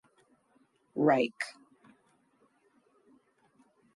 Reich.